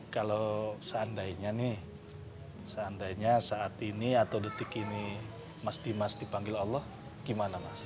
kalau seandainya nih seandainya saat ini atau detik ini mas dimas dipanggil allah gimana mas